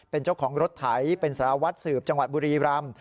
เป็นเจ้าของรถไถเป็นสารวัตรสืบจังหวัดบุรีรำ